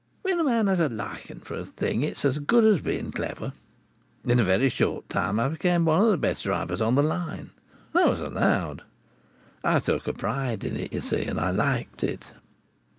"When a man has a liking for a thing it's as good as being clever. In a very short time I became one of the best drivers on the Line. That was allowed. I took a pride in it, you see, and liked it.